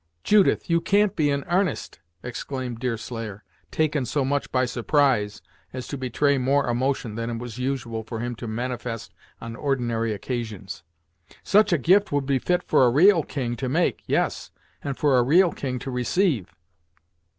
"Judith you can't be in 'arnest!" exclaimed Deerslayer, taken so much by surprise, as to betray more emotion than it was usual for him to manifest on ordinary occasions. "Such a gift would be fit for a ra'al King to make; yes, and for a ra'al King to receive."